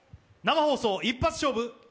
生放送一発勝負！